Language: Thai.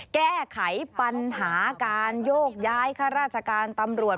แก้ไขปัญหาการโยกย้ายข้าราชการตำรวจ